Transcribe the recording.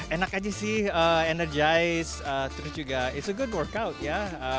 enak aja sih energize terus juga it's a good workout ya